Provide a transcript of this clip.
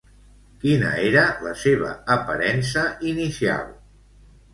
Quina era la seva aparença inicial?